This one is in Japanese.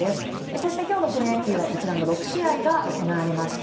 そして今日のプロ野球はこちらの６試合が行われました。